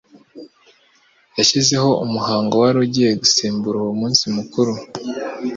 yashyizeho umuhango wari ugiye gusimbura uwo munsi mukuru